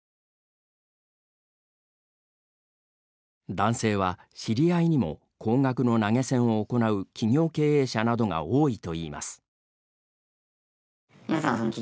男性は知り合いにも高額の投げ銭を行う企業経営者などが多いといいます。